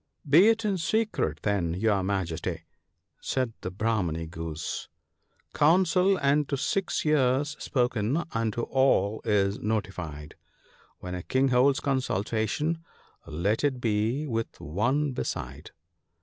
"Be it in secret, then, your Majesty," said the Brah many goose —" Counsel unto six ears spoken, unto all is notified : When a King holds consultation, let it be with one beside."